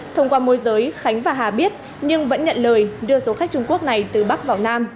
thông qua môi giới khánh và hà biết nhưng vẫn nhận lời đưa số khách trung quốc này từ bắc vào nam